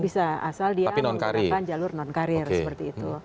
bisa asal dia menggunakan jalur non karir seperti itu